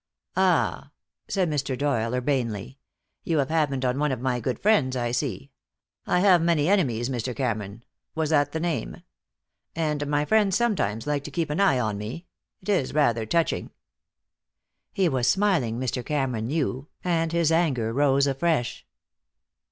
"Ah!" said Mr. Doyle, urbanely. "You have happened on one of my good friends, I see. I have many enemies, Mr. Cameron was that the name? And my friends sometimes like to keep an eye on me. It is rather touching." He was smiling, Mr. Cameron knew, and his anger rose afresh.